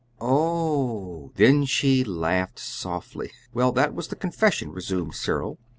"Oh h!" Then she laughed softly. "Well, that was the confession," resumed Cyril.